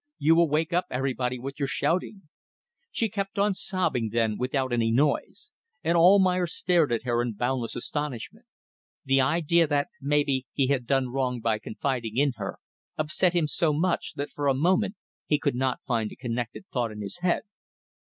"You will wake up everybody with your shouting." She kept on sobbing then without any noise, and Almayer stared at her in boundless astonishment. The idea that, maybe, he had done wrong by confiding in her, upset him so much that for a moment he could not find a connected thought in his head.